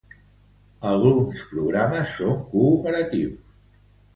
Alguns programes són cooperatius.